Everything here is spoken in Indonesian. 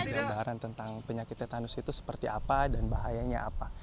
gambaran tentang penyakit tetanus itu seperti apa dan bahayanya apa